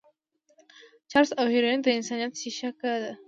چرس او هيروين د انسانيت شېشکه ده.